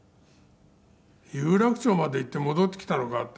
「“有楽町まで行って戻ってきたのか？”って」